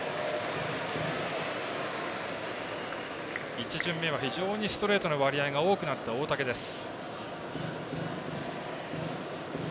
１巡目は非常にストレートの割合多くなった大竹です。